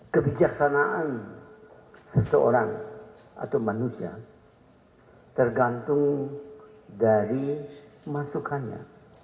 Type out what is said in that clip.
kebijaksanaan seseorang atau manusia tergantung dari masukannya